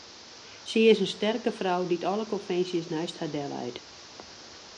Sy is in sterke frou dy't alle konvinsjes neist har delleit.